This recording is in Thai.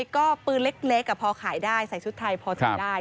ก็ปืนเล็กพอขายได้ใส่ชุดไทยพอซื้อได้